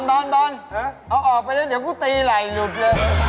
บอนเอาออกไปนะเดี๋ยวพูดตีไหล่หยุดเลย